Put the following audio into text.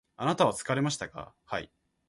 あなたは疲れましたか？